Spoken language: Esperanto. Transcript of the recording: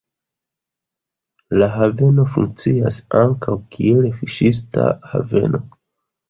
La haveno funkcias ankaŭ, kiel fiŝista haveno.